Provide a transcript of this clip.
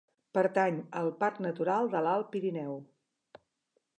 Pertany al Parc Natural de l'Alt Pirineu.